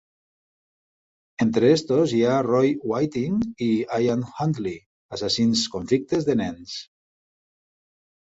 Entre aquests hi ha Roy Whiting i Ian Huntley, assassins convictes de nens.